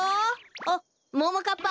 あっももかっぱ！